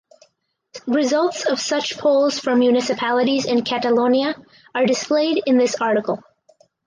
Results of such polls for municipalities in Catalonia are displayed in this article.